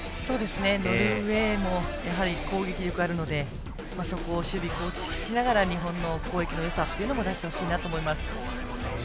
ノルウェーもやはり攻撃力があるので守備を構築しながら日本の攻撃のよさを出してほしいなと思います。